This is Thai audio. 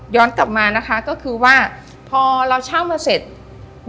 กลับมานะคะก็คือว่าพอเราเช่ามาเสร็จ